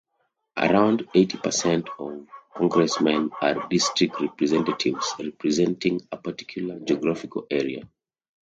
Around eighty percent of congressmen are district representatives, representing a particular geographical area.